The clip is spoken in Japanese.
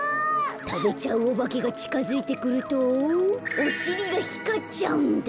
たべちゃうおばけがちかづいてくるとおしりがひかっちゃうんだ。